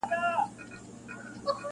دا برخه د کيسې تر ټولو توره مرحله ده,